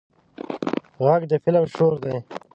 غږ د قلم شور دی